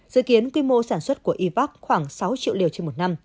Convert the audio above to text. dự kiến quy mô sản xuất của ivac khoảng sáu triệu liều trên một năm